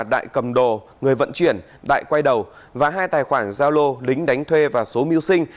đại cầm đồ người vận chuyển đại quay đầu và hai tài khoản giao lô lính đánh thuê và số mưu sinh